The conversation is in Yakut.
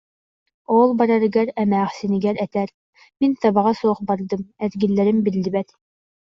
Ол барарыгар эмээхсинигэр этэр: «Мин табаҕа суох бардым, эргиллэрим биллибэт»